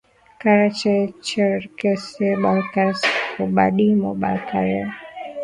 Karachay Cherkessia Balkars Kabardino Balkaria